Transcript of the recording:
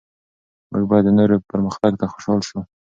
موږ باید د نورو پرمختګ ته خوشحال شو.